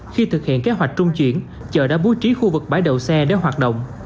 khi thực hiện kế hoạch trung chuyển chợ đã bố trí khu vực bãi đầu xe để hoạt động